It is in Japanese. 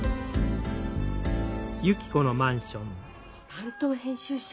担当編集者！？